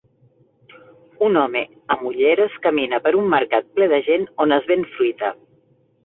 Un home amb ulleres camina per un mercat ple de gent on es ven fruita.